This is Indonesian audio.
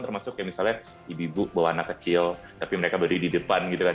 termasuk kayak misalnya ibu ibu bawa anak kecil tapi mereka berada di depan gitu kan